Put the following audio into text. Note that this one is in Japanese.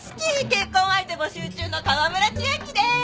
結婚相手募集中の川村千秋です！